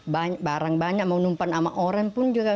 banyak barang banyak mau numpan sama orang pun juga